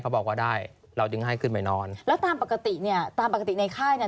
บอกว่าได้เราจึงให้ขึ้นไปนอนแล้วตามปกติเนี่ยตามปกติในค่ายเนี่ย